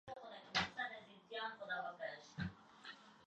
غټي کوټې نه په کولرسړېږي ، نه په بخارۍ تودېږي